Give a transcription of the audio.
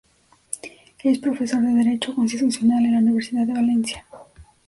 Es profesor de derecho constitucional en la Universidad de Valencia.